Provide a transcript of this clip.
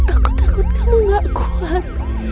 aku takut kamu gak kuat